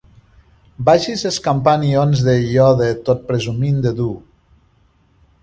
Vagis escampant ions de iode tot presumint de dur.